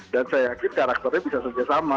dan saya yakin karakternya bisa saja sama